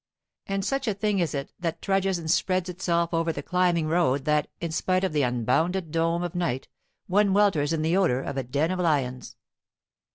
And such a thing is it that trudges and spreads itself over the climbing road that, in spite of the unbounded dome of night, one welters in the odor of a den of lions.